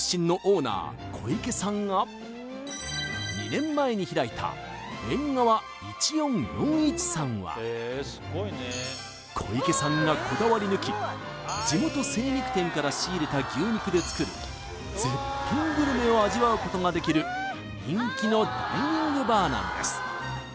２年前に開いたＥＮＧＡＷＡ１４４１さんは小池さんがこだわり抜き地元精肉店から仕入れた牛肉で作る絶品グルメを味わうことができる人気のダイニングバーなんです